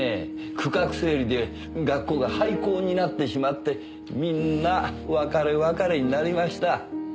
区画整理で学校が廃校になってしまってみんな別れ別れになりました。